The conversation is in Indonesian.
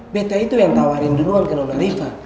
beta itu yang tawarin duluan ke nona rifa